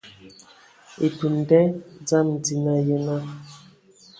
Etun nda dzam dzina, yenə.